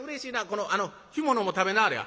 この干物も食べなはれや。